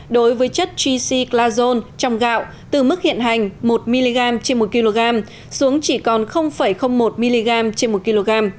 đối với chất gclazone trong gạo từ mức hiện hành một mg trên một kg xuống chỉ còn một mg trên một kg